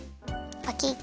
パキッ。